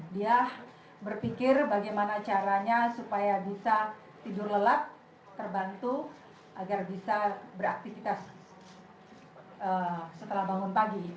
dia berpikir bagaimana caranya supaya bisa tidur lelap terbantu agar bisa beraktivitas setelah bangun pagi